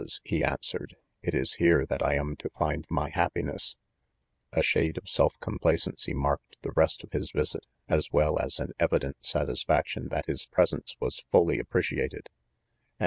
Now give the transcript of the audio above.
he answered, ''it is 1 here that 1 am to find my happiness*' ' A shade of self complacency marked the rest of his visit, as well as an evident satisfaction that his presence was; fully appreciated 5 ano.